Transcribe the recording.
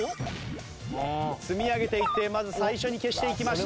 積み上げていってまず最初に消していきました。